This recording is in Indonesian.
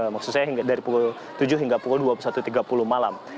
maksud saya hingga dari pukul tujuh hingga pukul dua puluh satu tiga puluh malam